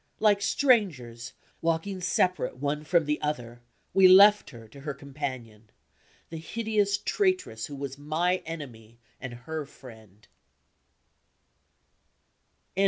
Like strangers, walking separate one from the other, we left her to her companion the hideous traitress who was my enemy and her friend.